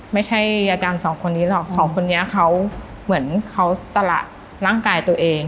ไม่ใช่อาจารย์สองคนนี้หรอกสองคนนี้เขาเหมือนเขาสละร่างกายตัวเอง